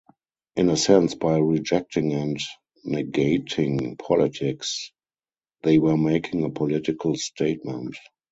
In a sense by rejecting and negating politics, they were making a political statement.